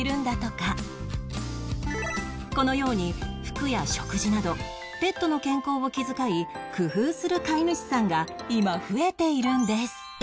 このように服や食事などペットの健康を気遣い工夫する飼い主さんが今増えているんです